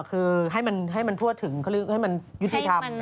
คือให้มันพวดถึงให้มันยุติธรรม